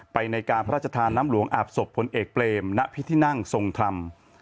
ในการพระราชทานน้ำหลวงอาบศพผลเอกเปรมณพิธีนั่งทรงธรรม